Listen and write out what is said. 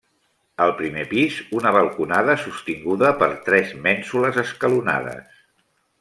Al primer pis, una balconada sostinguda per tres mènsules escalonades.